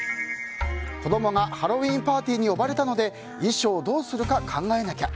子供がハロウィーンパーティーに呼ばれたので衣装をどうするか考えなきゃ。